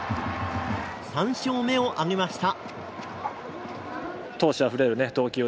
３勝目を挙げました。